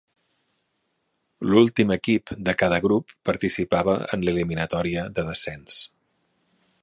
L'últim equip de cada grup participava en l'eliminatòria de descens.